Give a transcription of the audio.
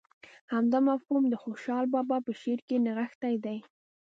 همدا مفهوم د خوشحال بابا په شعر کې نغښتی دی.